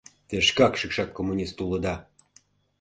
Те шкак шӱкшак коммунист улыда.